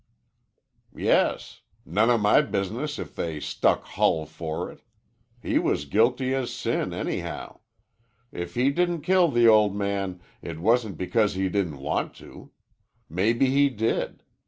"Yes. None o' my business if they stuck Hull for it. He was guilty as sin, anyhow. If he didn't kill the old man, it wasn't because he didn't want to. Maybe he did.